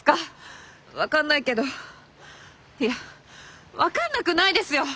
分かんないけどいや分かんなくないですよ。